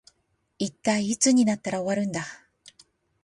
一体いつになったら終わるんだ